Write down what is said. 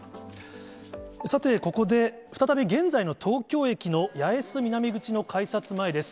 さて、ここで再び現在の東京駅の八重洲南口の改札前です。